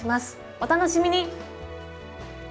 お楽しみに！